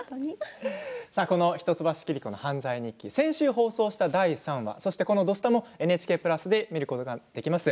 この「一橋桐子の犯罪日記」先週放送した第３話そして、この「土スタ」もＮＨＫプラスで見ることができます。